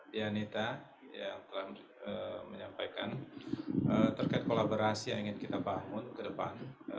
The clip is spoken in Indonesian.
dianita yang telah menyampaikan terkait kolaborasi yang ingin kita bangun ke depan